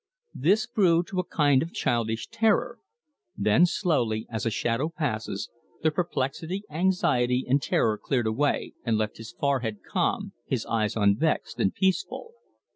This grew to a kind of childish terror; then slowly, as a shadow passes, the perplexity, anxiety and terror cleared away, and left his forehead calm, his eyes unvexed and peaceful.